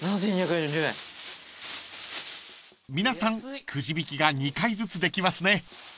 ［皆さんくじ引きが２回ずつできますね］